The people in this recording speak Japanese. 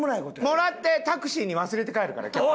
もらってタクシーに忘れて帰るから今日。